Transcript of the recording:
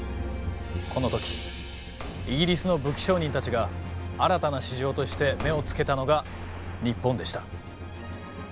この時イギリスの武器商人たちが新たな市場として目をつけたのが日本でした。